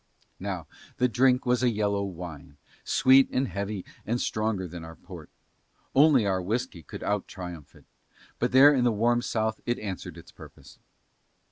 Now the drink was a yellow wine, sweet and heavy and stronger than our port; only our whisky could out triumph it, but there in the warm south it answered its purpose.